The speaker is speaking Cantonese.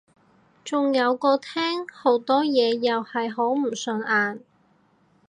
仲有個廳好多嘢又係好唔順眼